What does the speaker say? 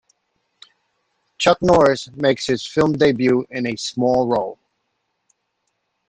Chuck Norris makes his film debut in a small role.